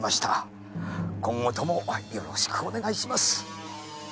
今後ともよろしくお願いします。